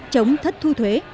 chống thất thu thuế